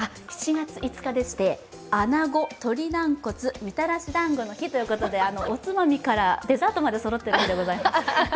７月５日でして、穴子、鳥軟骨、みたらしだんごの日ということでおつまみからデザートまでそろってる日なんでございます。